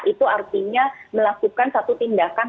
itu artinya melakukan satu tindakan